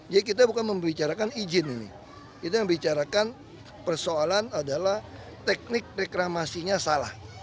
jadi kita bukan membicarakan izin ini kita membicarakan persoalan adalah teknik reklamasinya salah